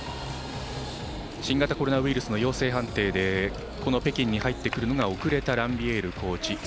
新型コロナウイルスの陽性判定で北京に入ってくるのが遅れたランビエールコーチ。